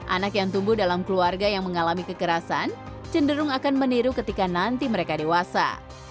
anak yang tumbuh dalam keluarga yang mengalami kekerasan cenderung akan meniru ketika nanti mereka dewasa